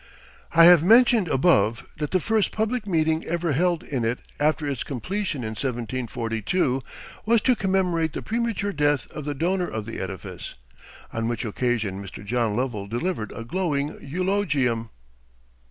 I have mentioned above that the first public meeting ever held in it after its completion in 1742 was to commemorate the premature death of the donor of the edifice; on which occasion Mr. John Lovell delivered a glowing eulogium.